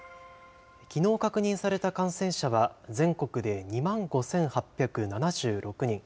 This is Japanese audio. きのう確認された感染者は、全国で２万５８７６人。